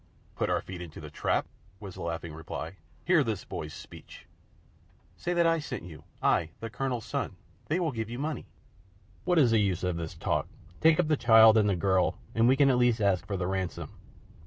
"Put our feet into the trap?" was the laughing reply. "Hear this boy's speech!" "Say that I sent you I, the Colonel's son. They will give you money." "What is the use of this talk? Take up the child and the girl, and we can at least ask for the ransom.